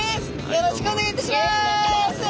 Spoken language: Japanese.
よろしくお願いします。